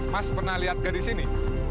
mas pernah lihat gadis ini